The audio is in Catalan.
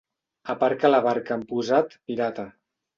Aparca la barca amb posat pirata.